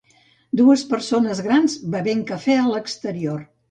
Dues persones grans bevent cafè a l'exterior.